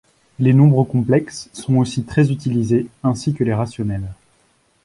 Les nombres complexes sont aussi très utilisés, ainsi que les rationnels.